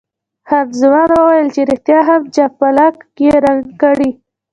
خان زمان ویل چې ریښتیا هم جاپلاک یې رنګ کړی.